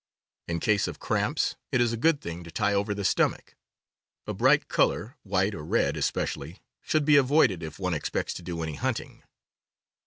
In case of cramps it is a good thing to tie over the stomach. A bright color, white or red es pecially, should be avoided if one expects to do any hunting.